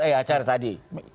kecewa acara tadi